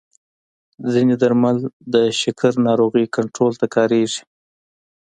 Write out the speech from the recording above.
ځینې درمل د شکر ناروغۍ کنټرول ته کارېږي.